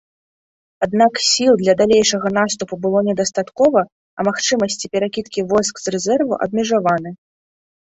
Аднак сіл для далейшага наступу было недастаткова, а магчымасці перакідкі войск з рэзерву абмежаваны.